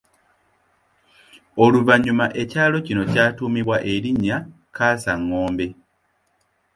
Oluvannyuma ekyalo kino kyatuumibwa erinnya Kaasangombe.